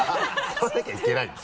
買わなきゃいけないんだ。